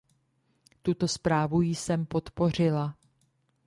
Tuto zprávu jsem podpořila.